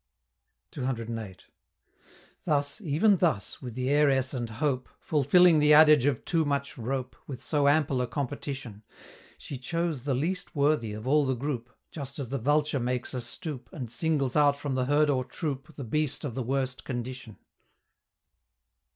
CCVIII. Thus, even thus, with the Heiress and Hope, Fulfilling the adage of too much rope, With so ample a competition, She chose the least worthy of all the group, Just as the vulture makes a stoop, And singles out from the herd or troop The beast of the worst condition.